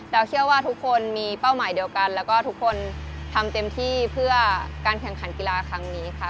แล้วเชื่อว่าทุกคนมีเป้าหมายเดียวกันแล้วก็ทุกคนทำเต็มที่เพื่อการแข่งขันกีฬาครั้งนี้ค่ะ